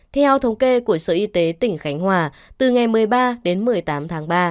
theo thống kê của sở y tế tỉnh khánh hòa từ ngày một mươi ba đến một mươi tám tháng ba